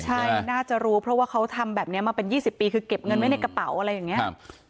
ใช่น่าจะรู้เพราะว่าเขาทำแบบนี้มาเป็น๒๐ปีคือเก็บเงินไว้ในกระเป๋าอะไรอย่างนี้